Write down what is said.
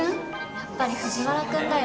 やっぱり藤原くんだよ。